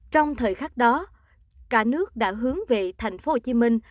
trong thời khắc đó cả nước đã hướng về thành phố hồ chí minh